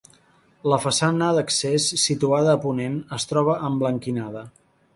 La façana d'accés, situada a ponent, es troba emblanquinada.